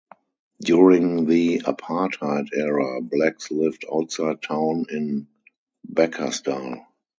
During the apartheid era, blacks lived outside town in Bekkersdal.